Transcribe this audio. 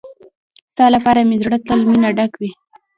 ستا لپاره مې زړه تل مينه ډک وي.